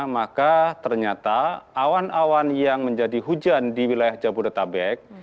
maka ternyata awan awan yang menjadi hujan di wilayah jabodetabek